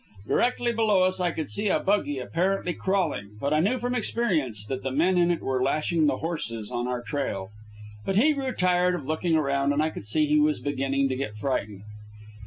Directly below us I could see a buggy, apparently crawling, but I knew from experience that the men in it were lashing the horses on our trail. But he grew tired of looking around, and I could see he was beginning to get frightened.